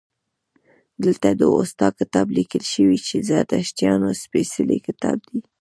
دلته د اوستا کتاب لیکل شوی چې د زردشتیانو سپیڅلی کتاب دی